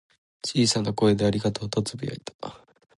小さな声で「ありがとう」とつぶやいた。